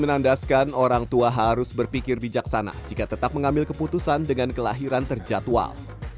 menandaskan orang tua harus berpikir bijaksana jika tetap mengambil keputusan dengan kelahiran terjatual